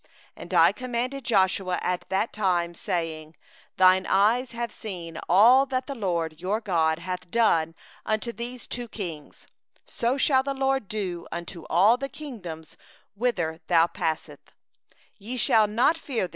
21And I commanded Joshua at that time, saying: 'Thine eyes have seen all that the LORD your God hath done unto these two kings; so shall the LORD do unto all the kingdoms whither thou goest over.